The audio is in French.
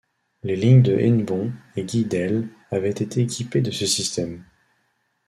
Les lignes de Hennebont et Guidel avaient été équipées de ce système.